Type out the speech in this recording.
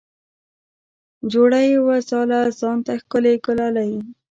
جوړه یې وه ځاله ځان ته ښکلې ګلالۍ